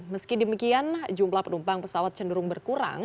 meski demikian jumlah penumpang pesawat cenderung berkurang